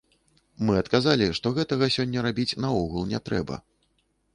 Мы адказалі, што гэтага сёння рабіць наогул не трэба.